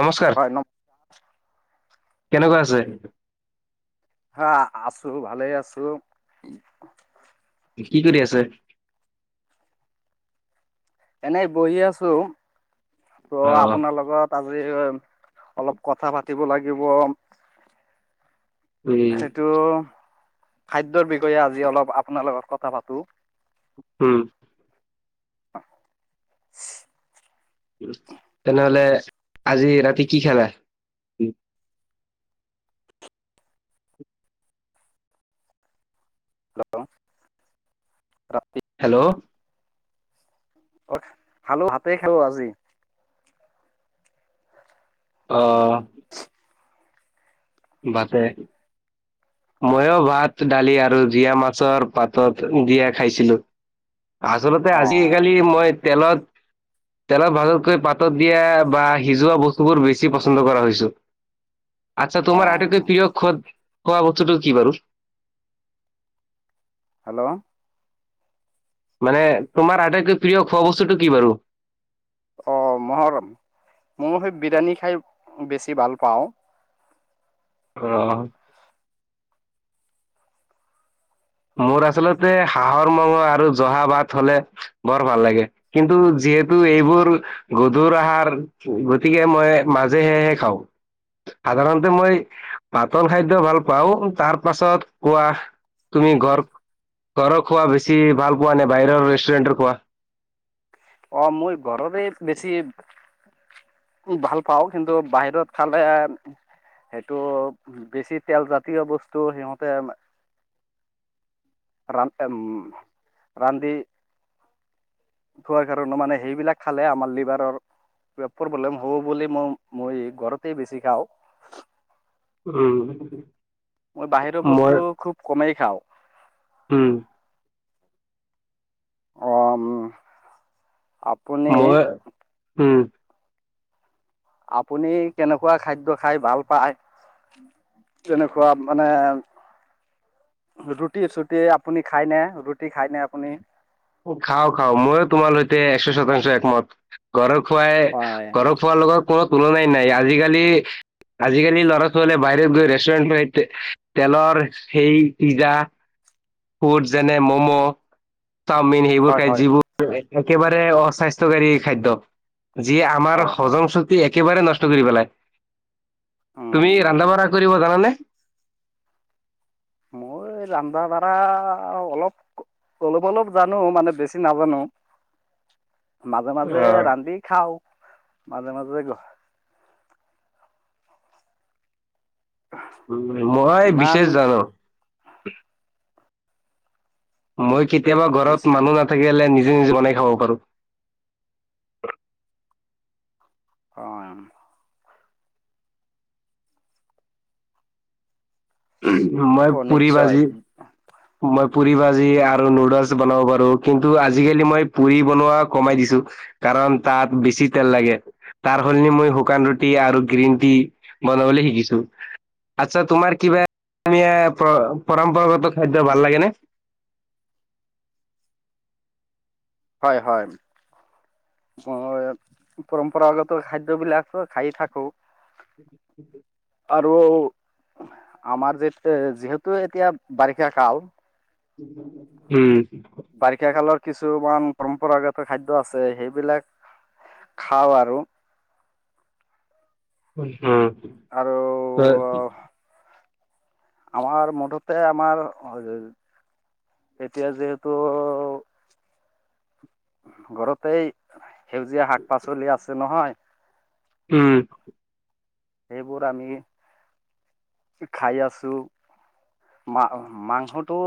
নমস্কাৰ, হয় ন কেনেকুৱা আছে? হা, আছো ভালে আছো কি কৰি আছে? এনেই বহি আছো। ত' আহ আপোনা লগত আজ কৰি অইম অলপ কথা পাতিব লাগিব। উম সেইটো খাদ্যৰ বিষয়ে আজি অলপ আপোনাৰ লগত কথা পাতো। হম। [unintelligible] তেনেহলে আজি ৰাতি কি খেলা? [unintelligible] হেল্ল'। অখ, খালো হাতে খেলো আজি। অ'। ভাতে হয় মই অ' ভাত তো দালি আৰু জীয়া মাছৰ পাতত দিয়া খাইছিলো। আচলতে অ আজিকালি মই তেলত তেলত ভাজাতকৈ পাতত দিয়া বা সিজোৱা বস্তুবোৰ বেছি পচন্দ কৰা হৈছো। চা অ তোমাৰ আটাইতকৈ প্ৰিয় খদ খোৱা বস্তুটো কি বাৰু? হেল্ল'। মানে তোমাৰ আটাইতকৈ প্ৰিয় খোৱা বস্তুটো কি বাৰু? অ', মহৰম মৌহে বিৰিয়ানী খাই বেছি ভাল পাওঁ। ৰহ। মোৰ আচলতে হাঁহৰ মঙহ আৰু জহা ভাত হলে বৰ ভাল লাগে। কিন্তু যি যিহেতু এইবোৰ গধুৰ আহাৰ গতিকে মই মাজেহেহে খাওঁ। সাধাৰণতে মই পাতল খাদ্য ভাল পাওঁ। তাৰ পাছত কোৱাহ তুমি ঘৰ ঘৰৰ খোৱা বেছি ভাল পোৱা নে বাহিৰৰ ৰেষ্টুৰেণ্টৰ খোৱা? অ' মই ঘৰৰে বেছি ভাল পাওঁ কিন্তু বাহিৰত খালে সেইটো বেছি তেলজাতীয় বস্তু সিহঁতে ৰান এম ৰানদি খোৱা কাৰণো মানে সেইবিলাক খালে আমাৰ লিভাৰৰ প্ৰব্লেম হব বুলি মই মই ঘৰতেই বেছি খাওঁ। উম। মই বাহিৰৰ বস্তু খুব কমেই খাওঁ। হুম। অম। মই, উম। আপুনি কেনেকুৱা খাদ্য খাই ভাল পায়? তেনেকুৱা মানে ৰুটি চুটি আপুনি খাইনে ৰুটি খাই ন আপুনি? খাও খাও মইো তোমাৰ সৈতে একশ শতাংশ একমত, ঘৰ খোৱাই হয় ঘৰৰত খোৱাৰ লগত কোনো তুলনাই নাই আজিকালি আজিকালি ল'ৰা ছোৱালীয়ে বাহিৰত গৈ ৰেষ্টুৰেণ্ট তেলৰ সে পিজ্জা ফুড যেনে ম'ম' চাওমিন সেইবোৰ হয় খাই হয় যিবোৰ একেবাৰে অস্বাস্থ্যকাৰী খাদ্য যি আমাৰ হয় হয় হজম শ্ৰুতি একেবাৰে নষ্ট কৰি পেলাই, তুমি ৰন্ধা বঢ়া কৰিব জানানে? মই ৰন্ধা ধাৰা অলপ অলপ অলপ জানো মানে বেছি নাজানো। মাজে অ মাজে ৰান্ধি খাওঁ মাজে মাজে গ উ মহাই ইমান বিশেষ জান মই কেতিয়াবা ঘৰত পিছে মানুহ নাথাকিলে নিজ বনাই খাব পাৰো। অ'। মই অ পুৰি নিশ্চয় বাজি মই পুৰি ভাজি আৰু নুডলছ বনাব পাৰো কিন্তু আজিকালি মই পুৰি বনোৱা কমাই দিছো। কাৰণ তাত বেছি তেল লাগে। তাৰ সলনি মই শুকান ৰুটি আৰু গ্ৰীণ টি বনাবলৈ শিকিছো। আচ্ছা তোমাৰ কি ব পৰম্পৰাগত খাদ্য ভাল লাগেনে। [inaudible] হয় হয়। আহ পৰম্পৰাগত খাদ্য়বলাক খাই থাকো। [inaudible] আৰু আমাৰ যে যিহেতু এতিয়া বাৰিষা কাল। হম। বাৰিষা কালৰ কিছুমান পৰম্পৰাগত খাদ্য আছে সেইবিলাক খাওঁ আৰু। আৰু হম। আমাৰ মুঠতে আমাৰ এতিয়া যিহেতু ঘৰতে সেউজীয়া শাক পাচলি আছে নহয়। উম। সেইবোৰ আমি খাই আছো। মা মাংসটো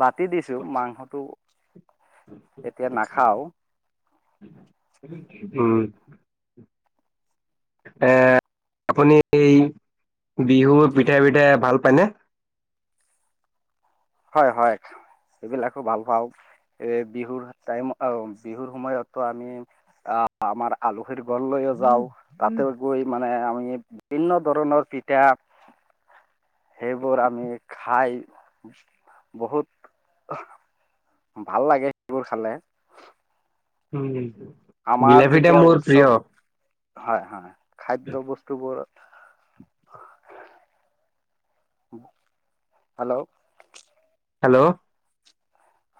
বাতি, দিছো মাংসটো এতিয়া নাখাও। উম। এ আপুনি, বিহুত পিঠা পিঠাই ভাল পাইনে? হয় হয়। এইবিলাকো ভাল পাওঁ এ বিহুৰ টাইম বিহুৰ সময়তো আমি আহ আমাৰ আলহীৰ ঘৰৰ লৈও যাওঁ তাতে গৈ মানে আমি বিভিন্ন ধৰণৰ পিঠা [inaudible] সেইবোৰ আমি খাই বহুত, ভাল লাগে সেইবোৰ খালে। উম। ঘিলা আমাৰ পিঠা যেতিয়া মোৰ উৎসৱ প্ৰিয় হয় হয় খাদ্য বস্তুবোৰ [inaudible] হেল্ল' হেল্ল'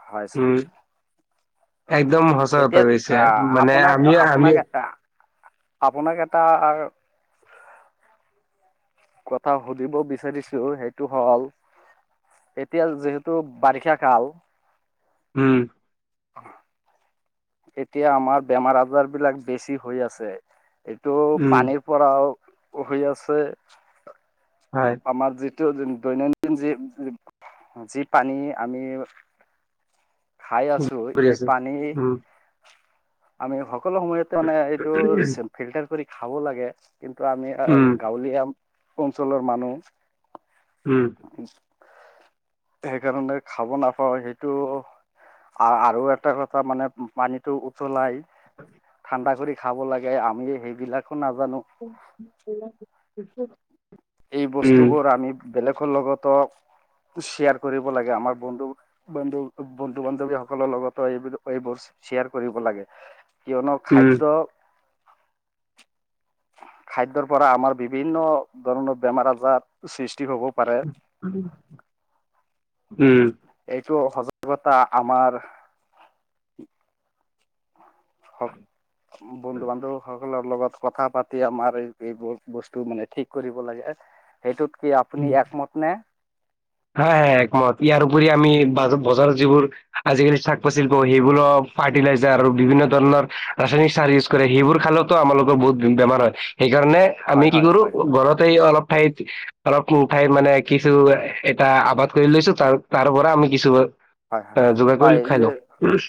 হয় উম। একদম সচাঁ কথা এতিয়া কৈছে আহ মানে আপোনাক আমি আমি আপোনাক আপোনাক এটা কথা সুধিবা বিচাৰিছো সেইটো হ'ল এতিয়া যিহেতু বাৰিষা কাল উম। এতিয়া আমাৰ বেমাৰ আজাৰ বিলাক বেছি হৈ আছে। এইটো উম, পানীৰ পৰাও হৈ আছে, হয় আমাৰ যি দৈনন্দিন যি যি পানী আমি খাই আছো কৰি এই আছে পানী উম, আমি সকলো সময়তে মানে এইটো উম, ফিল্টাৰ কৰি খাব লাগে কিন্তু আমি উম। গাঁৱলীয়া অঞ্চলৰ মানুহ। উম। সেইকাৰণে খাব নাপাওঁ সেইটো। আৰু এটা কথা মানে পানীটো উতলাই। [inaudible] ঠাণ্ডা কৰি খাব লাগে আমিয়ে সেইবিলাক [unintelligible] এই বস্তুবোৰ আমি বেলেগৰ লগতো শ্বেয়াৰ কৰিব লাগে আমাৰ বন্ধু বন্ধু বন্ধু বান্ধৱী সকলৰ লগতো এইবোৰ এইবোৰ শ্বেয়াৰ কৰিব লাগে কিয়নো উম, খাদ্য খাদ্যৰ পৰা আমাৰ বিভিন্ন ধৰণৰ বেমাৰ আজাৰ সৃষ্টি হ'ব পাৰে উম। এইটো সজাগতা আমাৰ হওক বন্ধু বান্ধৱ হওক। লগত কথা পাতি আমাৰ এই বস্তু মানে ঠিক কৰিব লাগে সেইটোত কি আপুনি একমত নে? হা হা একমত ইয়াৰ উপৰি আমি বজাৰত যিবোৰ আজিকালি শাক পাচলি সেইবোৰও ফাৰ্টিলাইজাৰ আৰু বিভিন্ন ধৰণৰ ৰাসায়নিক চাৰ ইউজ কৰে সেইবোৰ খালতো আমালোকৰ বহুত বেমাৰ হয় সেই সেইকাৰণে আমি হয় কি হয় কৰো হয় হয় ঘৰতেই অলপ ঠাইত অলপ ঠাইত মানে কিছু এটা আবাদ কৰি লৈছো তাৰ তাৰ পৰা আমি কিছু হয় হয় যোগাৰ হয় কৰি খাই যে লওঁ।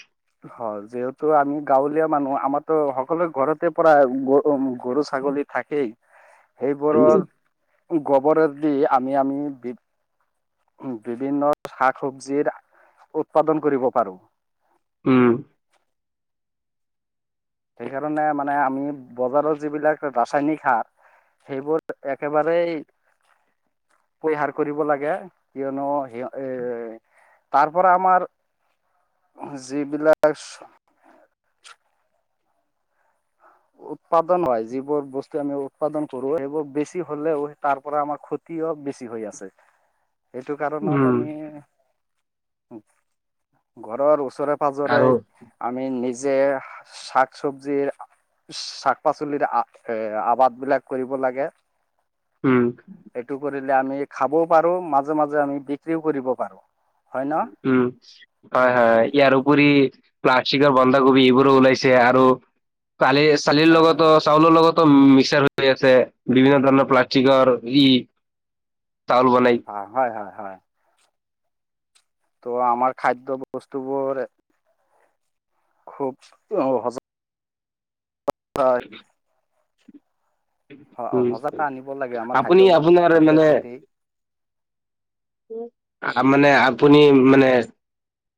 হয় যিহেতু আমি গাঁৱলীয়া মানুহ আমাৰো সকলো ঘৰত তে পৰা গৰু গৰু ছাগলী থাকেই। সেইবোৰৰ গোবৰে দি আমি আমি বি বিভিন্ন শাক সবজিৰ উৎপাদন কৰিব পাৰো। উম, সেইকাৰণে মানে আমি বজাৰৰ যিবিলাক ৰাসায়নিক সাৰ। সেইবোৰ একেবাৰেই পৰিহাৰ কৰিব লাগে কিয়নো সি এ তাৰ পৰাৰা আমাৰ যিবিলাক উৎপাদন হয় যিবোৰ বস্তু আমি উৎপাদন কৰো সেইবোৰ বেছি হ'লেও তাৰ পৰা আমাৰ ক্ষতি কি অ' বেছি হৈ আছে। [inaudible] সেইটো কাৰণত, উম। আমি ঘৰৰ ওচৰত ওচৰে পাঁজৰে আৰু আমি নিজে শাক চব্জিৰ ও শাক পাচলিৰ এ আবাদ বিলাক কৰিব লাগে। উম। এইটো কৰিলে আমি খাবও পাৰো মাজে মাজে আমি বিক্ৰীও কৰিব পাৰো। হয় ন উম হয় হয় ইয়াৰ উপৰি প্লাষ্টিকৰ বন্ধাকোবি এইবোৰো ওলাইছে আৰু কালি চালিৰ হয় লগতো চাউলৰ লগত মিক্সাৰ হৈ আছে বিভিন্ন ধৰণৰ প্লাষ্টিকৰ ই চাউল বনাই অ' হয় হয় হয়। ত' আমাৰ খাদ্য ব বস্তুবোৰে খুব উ হজ হয়। অ' উম সজাগতা আনিব লাগে আমাৰ আপুনি খাদ্য খাদ্যয়ৰ প্ৰতি। তাৰমানে আপুনি মানে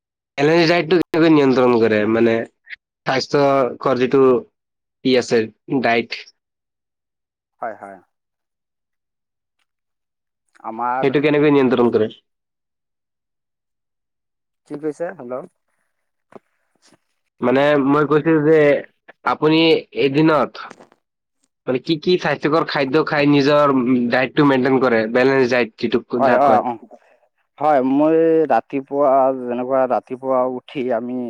[unintelligible] কেনেকৈ নিয়ন্ত্ৰণ কৰে মানে স্বাস্থ্যকৰ যিটো পিয়ছৰ ডাইট [inaudible] হয় হয়। আমাৰ সেইটো কেনেকৈ নিয়ন্ত্ৰণ কৰে? কিক কৈছা, হেল্ল' মানে মই কৈছিলো যে আপুনি এদিনত মান কি কি স্বাস্থ্যকৰ খাদ্য খাই নিজৰ উম ডাইটটো টো মেইনটেইন কৰে বেলেঞ্চ যায়। অ' অ' অ' হয় মই ৰাতি ৰাতিপুৱা যেনেকুৱা ৰাতিপুৱা উঠি আমি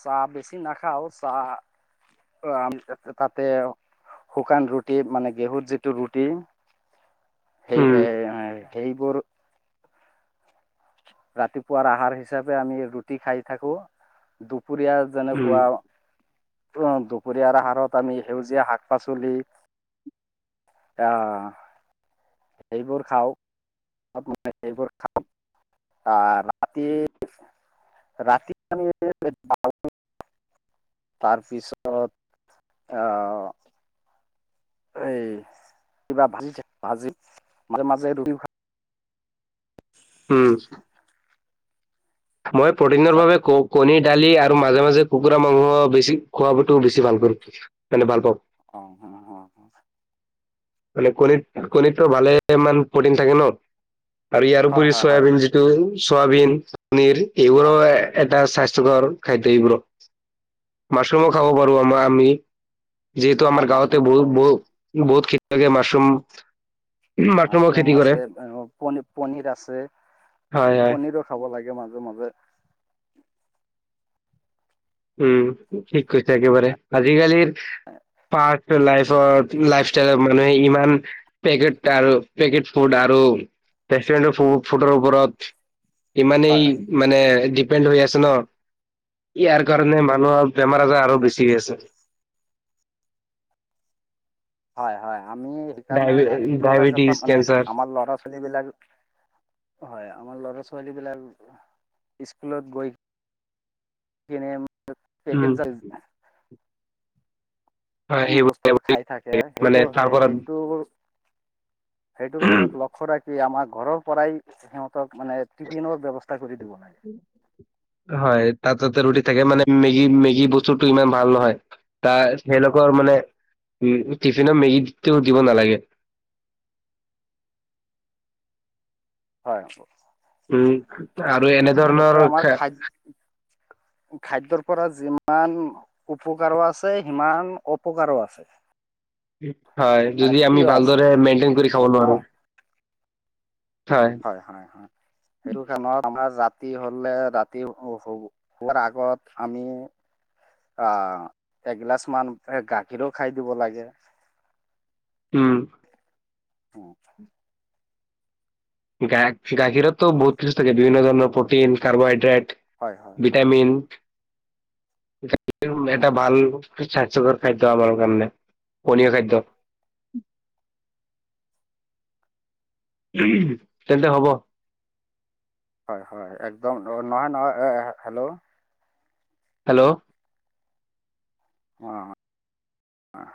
চাহ বেছি নাখাও চাহ উম তাতে শুকান ৰুটি মানে গেহুত যিটো ৰুটি সেই উম হে সেইবোৰ ৰাতিপুৱাৰ আহাৰ হিচাপে আমি ৰুটি খাই থাকো, দুপ দুুপৰীয়া উম যেনেকুৱা উ দুপৰীয়াৰ আহাৰত আমি সেউজীয়া শাক পাচলি আহ সেইবোৰ খাওক। মানে সেইবোৰ খাওঁ আ ৰাতি ৰাতি আমি [inaudible] তাৰপিছত আহ এ কিবা ভাজি থাক ভাজি মাজে মাজে ৰুই খ [unintelligible] উম। মই প্ৰটিনৰ বাবে ক-কণী দালি আৰু মাজে মাজে কুকুৰা মাংস বেছি খোৱাবতো বেছি ভাল কৰো মানে ভাল পাওঁ। অ' অ' অ' অ'। মানে কণীৰ কণিতটো ভালে মান প্ৰটিন থাকে ন'। আৰু ইয়াৰ হয় উপৰি হয় হয় চয়াবিন যিটো চয়াবিন পনীৰ এইবোৰো হয় ৰ এটা স্বাস্থ ঘৰ খাই এইবোৰ, মাছৰুমো খাব পাৰো আমাৰ আমি। যিহেতু হয় আাৰ গাঁৱতে মাছৰুমৰ বহুত খাওঁ বু-বহুত খেতিয়কে মাছৰুম মাছৰুমৰ মাছৰুম খেতি কৰে আছে পন-পনীৰ আছে। হয় হয় পনীৰো খাব লাগে মাজে মাজে। উম ঠিক কৰিছা একেবাৰে আজিকালিৰ প লাইফৰ লাইফ ষ্টাইলৰ মানুহে ইমান পেকেট আৰু পেকেট ফুড আৰু ৰেষ্টুৰেণ্টৰ ফু-ফুডৰ ওপৰত ইমানেই হয় হয় মানে ডিপেণ্ড হৈ আছে ন' ইয়াৰ কাৰণে মানুহৰ বেমাৰ আজাৰ আৰু হয় বেছি আছে। হয় হয় আমি সেইকাৰণে ডায়বে এইটো কথা ডায়বেটিছ, মানে কেঞ্চাৰ আমাৰ ল'ৰা ছোৱালী বিলাক হয় আমাৰ লৰা ছোৱালী বিলাক স্কুলত গৈ কিনে পেকেট উম, [unintelligible] হয় বস্তুবোৰ সেইবোৰ খাই থাকে মানে সেইটো তাৰ সেই পৰা সেইটো সেইটোৰ ওপৰত লখদা কি আমাৰ ঘৰৰ পৰাই সিহত মানে টিফিনৰ ব্যৱস্থা কৰি দিব লাগে। হয় তাত তাতে ৰুটি থাকে মানে মেগী-মেগী বস্তুতটো ইমান ভাল নহয় তাৰ হয় সেইলোকৰ মানে উ টিফিনত মেগীটো দিব নালাগে। হয়। উম আৰু মুঠতে এনেধৰণৰ আমাৰ খ খাদ খাদ্যৰ পৰা যিমান উপকাৰো আছে সিমান অপকাৰো আছে। হয় মানে যদি আমি ক্ষতিও আছে ভালদৰে মেইনটেইন কৰি হয় খাব ন নোৱাৰো। হয় হয় হয়, সেইটো কাৰণত আমাৰ জাত ৰাতি হলে ৰাতি হোৱাৰ আগত আমি আহ এগিলাচ মান গাখীৰো খাই দিব লাগে। উম। [unintelligible] গা-গাখীৰততো বহুত কিছু থাকে বিভিন্ন ধৰণৰ প্ৰটিন কাৰ্বোহাইড্ৰেট। হয় হয় হয় ভিটামিন গাখীৰ এটা ভাল স্বাস্থ্যকৰ খাদ্য আমাৰ কাৰণে পনীয় খাদ্য। [inaudible] তেন্তে হ'ব। হয় হয় একদম নহয় নহ, হেল্ল' হেল্ল' অ'।